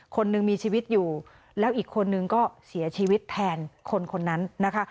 คนหนึ่งมีชีวิตอยู่แล้วอีกคนนึงก็เสียชีวิตแทนคนคนนั้นนะคะ